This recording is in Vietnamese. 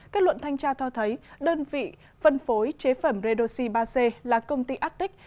kết luận thanh tra cho thấy đơn vị phân phối chế phẩm redoxi ba c là công ty attic